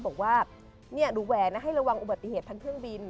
บอกว่าดูแหวนนะให้ระวังอุบัติเหตุทั้งเครื่องบิน